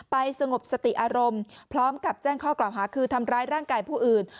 สงบสติอารมณ์พร้อมกับแจ้งข้อกล่าวหาคือทำร้ายร่างกายผู้อื่น